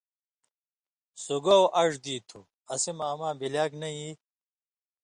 سُگاؤ اڙوۡ دی تُھو، اسی مہ اما بلیاگ نَیں یی!